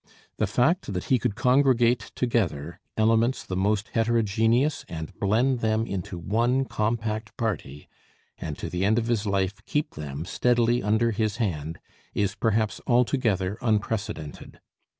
The fact that he could congregate together elements the most heterogeneous and blend them into one compact party, and to the end of his life keep them steadily under his hand, is perhaps altogether unprecedented.